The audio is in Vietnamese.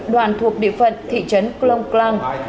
đoàn thuộc địa phận thị trấn klong klang